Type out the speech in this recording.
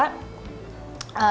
terus kita punya set budget